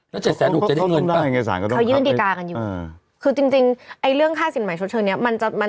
๗๖๐๐บาทจะได้เงินป่ะ